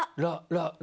「ラ」。